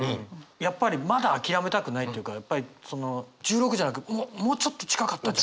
やっぱりまだ諦めたくないというかやっぱりその十六じゃなくもうちょっと近かったんじゃないか。